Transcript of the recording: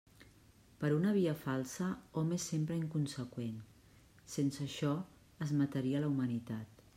Per una via falsa, hom és sempre inconseqüent, sense això es mataria la humanitat.